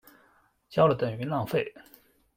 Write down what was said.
叫了等于浪费